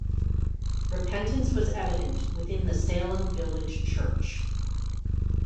Repentance was evident within the Salem Village church.